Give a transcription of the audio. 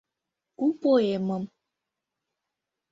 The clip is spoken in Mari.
у поэмым